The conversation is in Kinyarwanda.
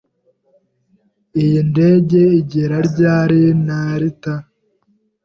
Iyi ndege igera ryari Narita?